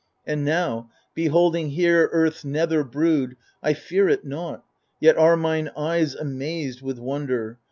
And now, beholding here Earrti's nether brood, I fear it nought, yet are mine eyes amazed With wonder.